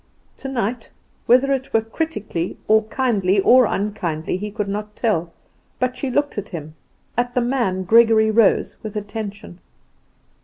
Tonight, whether it were critically, or kindly, or unkindly, he could not tell, but she looked at him, at the man, Gregory Rose, with attention.